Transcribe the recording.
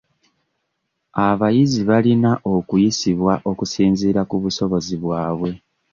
Abayizi balina okuyisibwa okusinziira ku busobozi bwabwe.